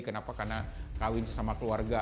kenapa karena kawin sesama keluarga